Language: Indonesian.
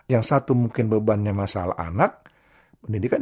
yang satu mungkin bebannya masalah anak pendidikan